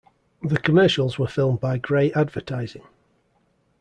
The commercials were filmed by Grey Advertising.